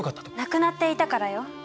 亡くなっていたからよ。